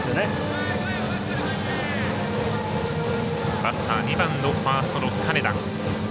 バッター、２番のファーストの金田。